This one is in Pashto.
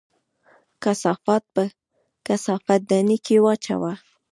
کثافات په کثافت دانۍ کې واچوه